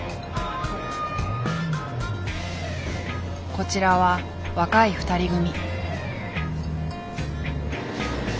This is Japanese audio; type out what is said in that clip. こちらは若い２人組。